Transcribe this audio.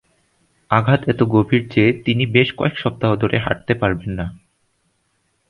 আঘাত এত গভীর যে তিনি বেশ কয়েক সপ্তাহ ধরে হাঁটতে পারবেন না।